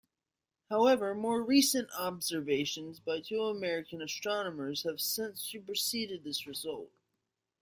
However more recent observations by two American astronomers have since superseded this result.